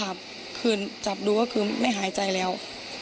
แต่ถึงดูคือไม่หายใจแล้ว